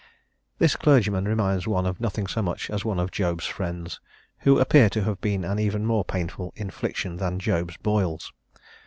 This clergyman reminds one of nothing so much as of one of Job's friends, who appear to have been an even more painful infliction than Job's boils.